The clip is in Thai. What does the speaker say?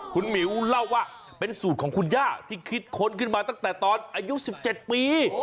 คุณหมิวเล่าว่าเป็นสูตรของคุณย่าที่คิดค้นขึ้นมาตั้งแต่ตอนอายุ๑๗ปี